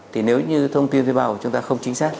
thì nếu như thông tin thuê bao của chúng ta không chính xác